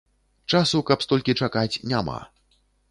Часу, каб столькі чакаць, няма.